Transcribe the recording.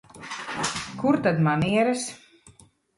Kur tad manieres?